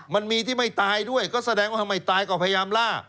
มันมีที่ไม่ตายด้วยก็แสดงว่าไม่ตายก็พยายามล่า